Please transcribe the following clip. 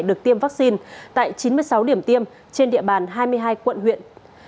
được tiêm vaccine tại chín mươi sáu điểm tiêm trên địa bàn hai mươi hai quận huyện